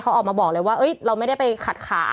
เขาออกมาบอกเลยว่าเราไม่ได้ไปขัดขา